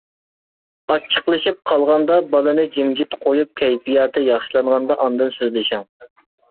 ئاچچىقلىشىپ قالغاندا بالىنى جىمجىت قويۇپ كەيپىياتى ياخشىلانغاندا ئاندىن سۆزلىشىڭ.